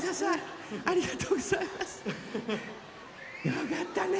よかったね。